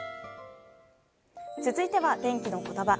続いては、天気のことば。